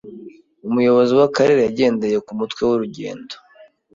Umuyobozi w'akarere yagendeye ku mutwe w'urugendo.